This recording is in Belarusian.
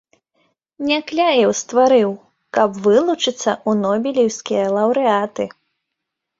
Някляеў стварыў, каб вылучыцца ў нобелеўскія лаўрэаты.